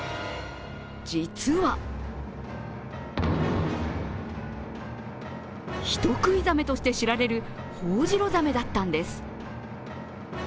実は、人食いザメとして知られるホオジロザメだったんです。